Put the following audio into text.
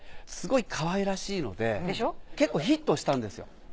すごいかわいらしいので結構ヒットしたんですよ。